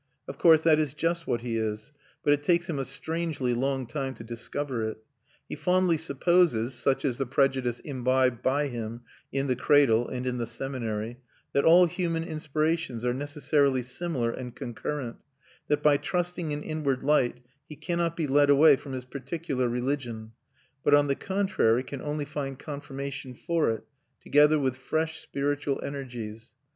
Of course, that is just what he is; but it takes him a strangely long time to discover it. He fondly supposes (such is the prejudice imbibed by him in the cradle and in the seminary) that all human inspirations are necessarily similar and concurrent, that by trusting an inward light he cannot be led away from his particular religion, but on the contrary can only find confirmation for it, together with fresh spiritual energies.